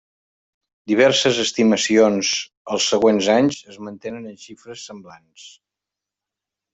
Diverses estimacions els següents anys es mantenen en xifres semblants.